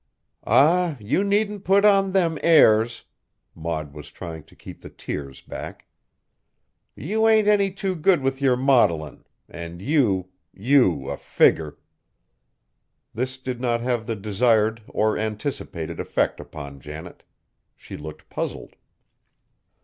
"Ah! you needn't put on them airs!" Maud was trying to keep the tears back. "You ain't any too good with your modillin', an' you you a figger!" This did not have the desired or anticipated effect upon Janet. She looked puzzled.